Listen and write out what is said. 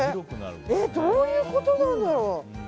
どういうことなんだろう。